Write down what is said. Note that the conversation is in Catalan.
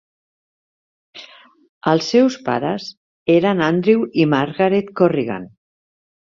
Els seus pares eren Andrew i Margaret Corrigan.